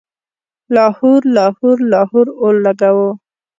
لاهور، لاهور، لاهور اولګوو